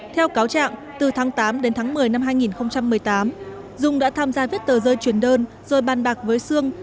theo cáo trạng từ tháng tám đến tháng một mươi năm hai nghìn một mươi tám dung đã tham gia viết tờ rơi truyền đơn rồi bàn bạc với sương